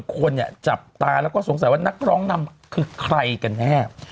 คนเนี่ยจับตาแล้วก็สงสัยว่านักร้องนำคือใครกันแน่